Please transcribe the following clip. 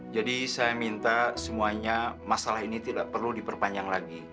jadi saya minta semuanya masalah ini tidak perlu diperpanjang lagi